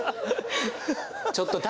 ちょっと谷！